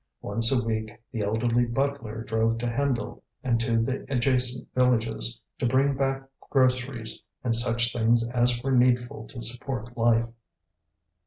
Once a week the elderly butler drove to Hendle and to the adjacent villages, to bring back groceries and such things as were needful to support life.